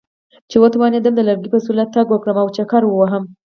چې وتوانېدم د لرګي په وسیله تګ وکړم او چکر ووهم.